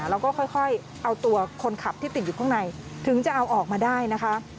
แล้วก็ค่อยเอาตัวคนขับที่ติดอยู่ข้างในถึงจะเอาออกมาได้นะคะ